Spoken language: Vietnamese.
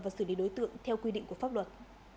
và xử lý đối tượng theo quy định của pháp luật